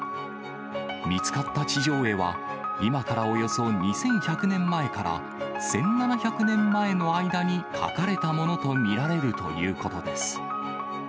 見つかった地上絵は、今からおよそ２１００年前から１７００年前の間に、描かれたものと見られるということです。